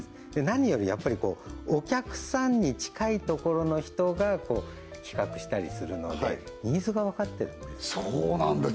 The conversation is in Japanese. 何よりやっぱりお客さんに近いところの人が企画したりするのでニーズが分かってるんですそうなんだ